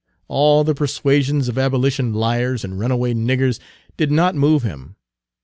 All the persuasions of abolition liars and runaway niggers did not move him.